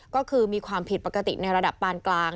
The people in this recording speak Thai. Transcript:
ก็คือมีความผิดปกติในระดับปานกลาง